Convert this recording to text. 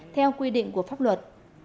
theo quy định của pháp luật